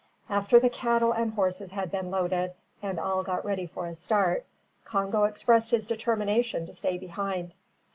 After the cattle and horses had been loaded, and all got ready for a start, Congo expressed his determination to stay behind.